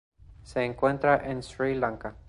Se encuentra en Sri Lanka